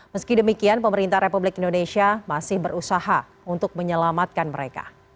meski demikian pemerintah republik indonesia masih berusaha untuk menyelamatkan mereka